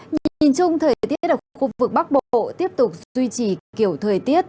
nhìn chung thời tiết ở khu vực bắc bộ tiếp tục duy trì kiểu thời tiết